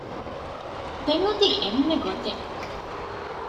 ދެން އޮތީ އެންމެ ގޮތެއް